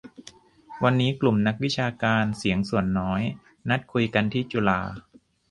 วันนี้กลุ่มนักวิชาการ"เสียงส่วนน้อย" นัดคุยกันที่จุฬา